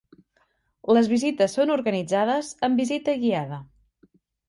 Les visites són organitzades amb visita guiada.